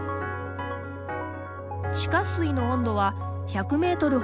地下水の温度は１００メートル